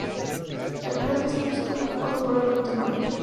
El lugar de este músico fue ocupado por Álvaro Tenorio.